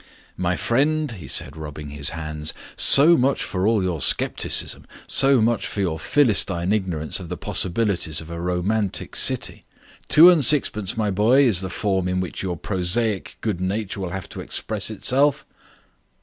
"My friend," he said, rubbing his hands, "so much for all your scepticism. So much for your philistine ignorance of the possibilities of a romantic city. Two and sixpence, my boy, is the form in which your prosaic good nature will have to express itself."